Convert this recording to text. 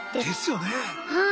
ですよね。